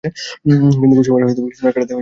কিন্তু গোস্বামীরা তো ক্রিসমাস কাটাতে কলকাতা গেছে।